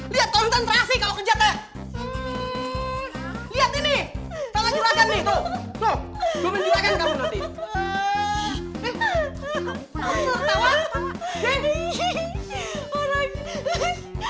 lihat ini tangan curagan nih